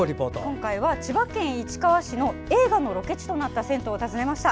今回は千葉県市川市の映画のロケ地となった銭湯を訪ねました。